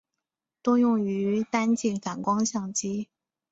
多用于单镜反光相机。